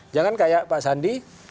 jangan seperti pak sandi